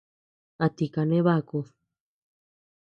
¿A ti kane bakud?